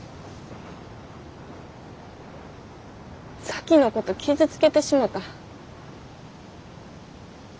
咲妃のこと傷つけてしもた。